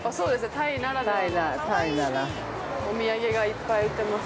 ◆タイなら◆お土産がいっぱい売ってます。